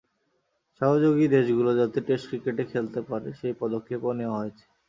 সহযোগী দেশগুলো যাতে টেস্ট ক্রিকেট খেলতে পারে সেই পদক্ষেপও নেওয়া হয়েছে।